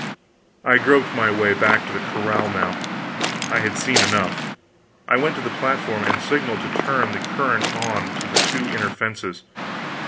I groped my way back to the corral now; I had seen enough. I went to the platform and signaled to turn the current on to the two inner fences.